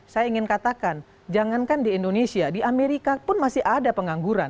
saya ingin katakan jangankan di indonesia di amerika pun masih ada pengangguran